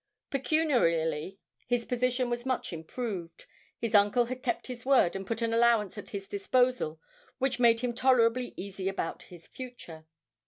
Pecuniarily his position was much improved; his uncle had kept his word, and put an allowance at his disposal which made him tolerably easy about his future.